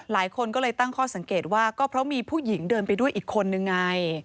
หลายคนก็เลยตั้งข้อสังเกตว่าก็เพราะมีผู้หญิงเดินไปด้วยอีกคนนึงไง